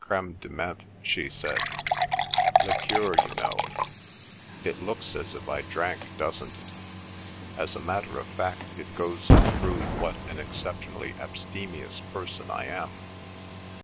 "Crême de Menthe," she said. "Liqueur, you know. It looks as if I drank, doesn't it? As a matter of fact it goes to prove what an exceptionally abstemious person I am.